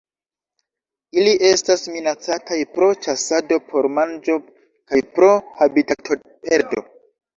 Ili estas minacataj pro ĉasado por manĝo kaj pro habitatoperdo.